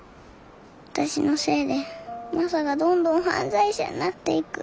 私のせいでマサがどんどん犯罪者になっていく。